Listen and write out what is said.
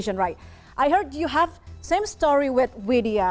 saya dengar anda memiliki cerita yang sama dengan widya